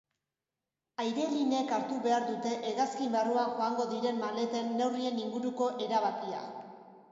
Airelineek hartu behar dute hegazkin barruan joango diren maleten neurrien inguruko erabakia.